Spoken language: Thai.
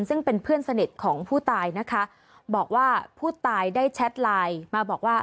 ซึ่งเป็นเพื่อนสนิทของผู้ตายนะคะบอกว่าผู้ตายได้แชทไลน์มาบอกว่า